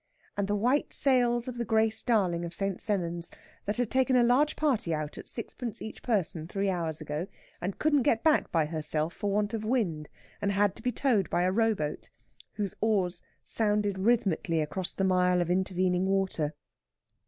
And the white sails of the Grace Darling of St. Sennans, that had taken a large party out at sixpence each person three hours ago, and couldn't get back by herself for want of wind, and had to be towed by a row boat, whose oars sounded rhythmically across the mile of intervening water.